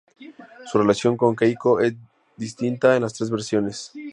Su relación con Keiko es distinta en las tres versiones.